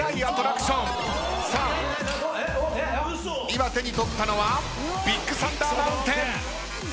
今手に取ったのはビッグサンダー・マウンテン。